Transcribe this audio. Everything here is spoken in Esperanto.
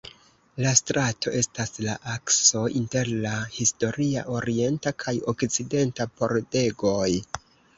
La strato estas la akso inter la historia orienta kaj okcidenta pordegoj.